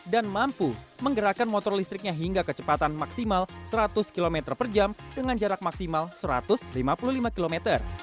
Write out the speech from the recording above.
mampu menggerakkan motor listriknya hingga kecepatan maksimal seratus km per jam dengan jarak maksimal satu ratus lima puluh lima km